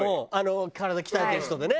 体鍛えてる人でね。